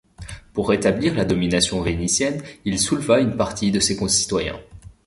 Pour rétablir la domination vénitienne, Il souleva une partie de ses concitoyens.